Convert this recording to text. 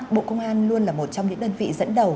bộ công an luôn là một trong những đơn vị dẫn đầu